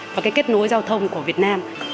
và cái kết nối giao thông của việt nam